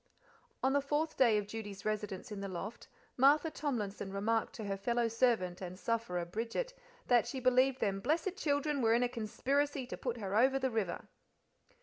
On the fourth day of Judy's residence in the loft, Martha Tomlinson remarked to her fellow servant and sufferer, Bridget, that she believed them blessed children were in a conspiracy to put her "over the river."